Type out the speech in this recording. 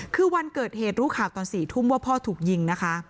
คือวันเกิดเหตุรู้ข่าวตอน๔ทุ่มว่าพ่อถูกยิงนะคะ